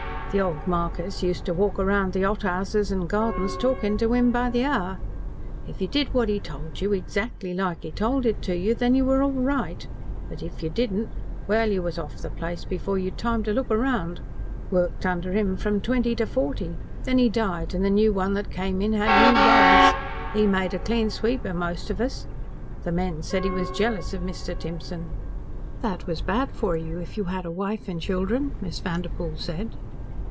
The old Markis used to walk round the hothouses an' gardens talking to him by the hour. If you did what he told you EXACTLY like he told it to you, then you were all right, but if you didn't well, you was off the place before you'd time to look round. Worked under him from twenty to forty. Then he died an' the new one that came in had new ways. He made a clean sweep of most of us. The men said he was jealous of Mr. Timson." "That was bad for you, if you had a wife and children," Miss Vanderpoel said.